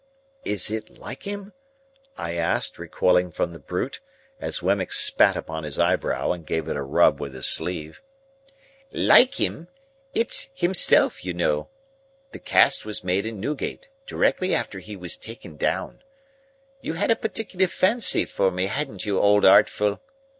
"Is it like him?" I asked, recoiling from the brute, as Wemmick spat upon his eyebrow and gave it a rub with his sleeve. "Like him? It's himself, you know. The cast was made in Newgate, directly after he was taken down. You had a particular fancy for me, hadn't you, Old Artful?"